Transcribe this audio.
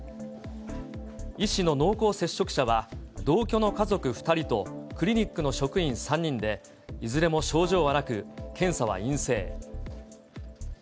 医師の濃厚接触者は、同居の家族２人と、クリニックの職員３人で、いずれも症状はなく、検査は陰性。